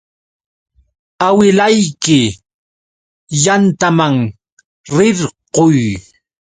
Awilayki yantaman rirquy.